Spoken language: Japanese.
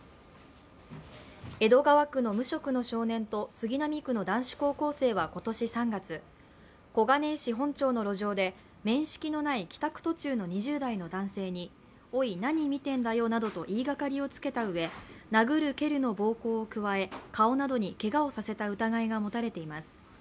江戸川区の無職の少年と、杉並区の男子高校生は今年３月、小金井市本町の路上で面識のない帰宅途中の２０代の男性におい、何見てんだよなどと言いがかりをつけたうえ、殴る蹴るの暴行を加え、顔などにけがをさせた疑いが持たれています。